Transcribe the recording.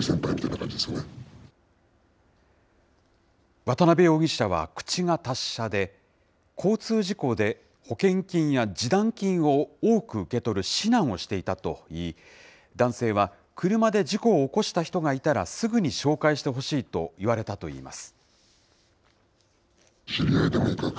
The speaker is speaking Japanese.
渡邉容疑者は口が達者で、交通事故で保険金や示談金を多く受け取る指南をしていたといい、男性は車で事故を起こした人がいたら、すぐに紹介してほしいと言われたといいます。